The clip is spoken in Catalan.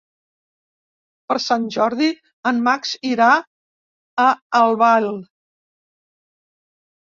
Per Sant Jordi en Max irà a Albal.